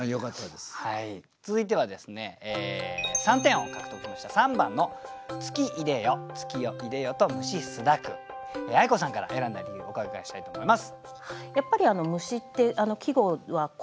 続いては３点を獲得しました相子さんから選んだ理由をお伺いしたいと思います。